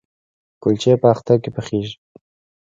کلچې په اختر کې پخیږي؟